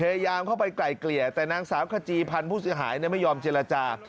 พยายามเข้าไปไกลเกลี่ยแต่นางสาวขจีพันธ์ผู้เสียหายไม่ยอมเจรจา